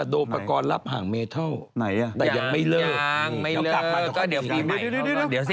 เดี๋ยว